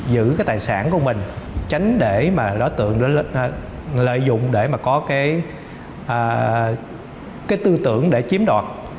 giữ cái tài sản của mình tránh để mà đối tượng lợi dụng để mà có cái tư tưởng để chiếm đoạt